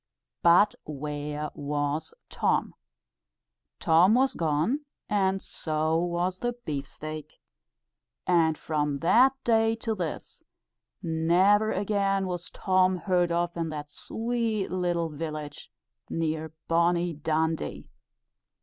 But where was Tom? Tom was gone, and so was the beef steak! And from that day to this, never again was Tom heard of in that sweet little village near bonnie Dundee.